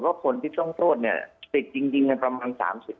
ผลิตที่ต้องโทษติดจริงประมาณ๓๐